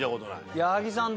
矢作さん